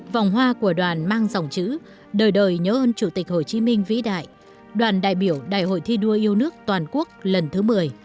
vòng hoa của đoàn mang dòng chữ đời đời nhớ ơn chủ tịch hồ chí minh vĩ đại đoàn đại biểu đại hội thi đua yêu nước toàn quốc lần thứ một mươi